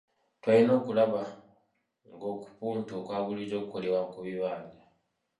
Twalina okulaba ng’okupunta okwa bulijjo kukolebwa ku bibanja.